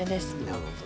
なるほど。